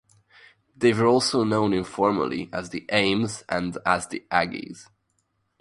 They were also known informally as "Ames" and as the "Aggies".